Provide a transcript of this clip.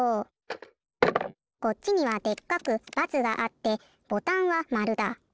こっちにはでっかく×があってボタンは○だ。